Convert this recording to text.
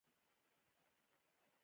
ځمکه يوه سپوږمۍ لري